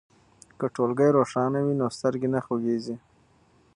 که ټولګی روښانه وي نو سترګې نه خوږیږي.